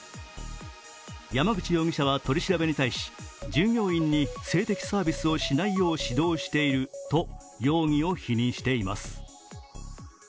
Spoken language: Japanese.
山口容疑者は取り調べに対し従業員に性的サービスをしないよう指導していると容疑を否認しています。